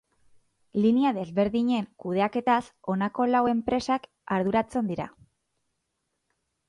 Linea desberdinen kudeaketaz honako lau enpresak arduratzen dira.